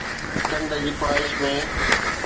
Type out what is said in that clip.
چنڊ جي خواهش ۾